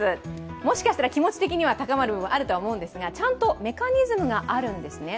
もしかしたら気持ち的に高まるのはあるかもしれないんですがちゃんとメカニズムがあるんですね。